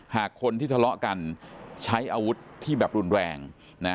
หากคนที่ทะเลาะกันใช้อาวุธที่แบบรุนแรงนะ